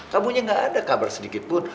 kamunya gak ada kabar sedikit pun